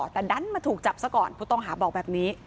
แต่ดันมาถูกจับซะก่อนผู้ต้องหาบอกแบบนี้